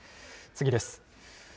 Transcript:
次です。